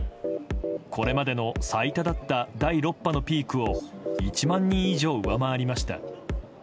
これまでの最多だった第６波のピークを１万人以上、上回りました。